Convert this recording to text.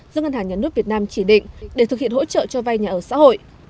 do ngân hàng nhà nước việt nam chỉ định để thực hiện hỗ trợ cho vay nhà ở xã hội